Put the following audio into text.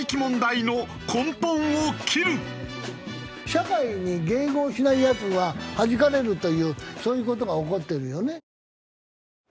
社会に迎合しないやつははじかれるというそういう事が起こってるよね。